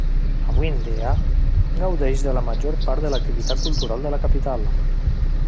Avui en dia, gaudeix de la major part de l'activitat cultural de la capital.